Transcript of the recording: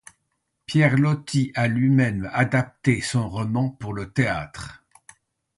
Pierre Loti a lui-même adapté son roman pour le théâtre.